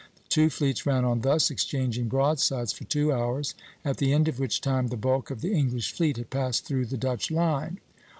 The two fleets ran on thus, exchanging broadsides for two hours, at the end of which time the bulk of the English fleet had passed through the Dutch line.